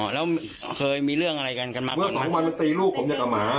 แล้วเคยมีเรื่องอะไรกันกันมาเมื่อสองวันมันตีลูกผมอย่างกับหมา